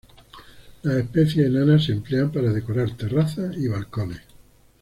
Las especies enanas se emplean para decorar terrazas y balcones.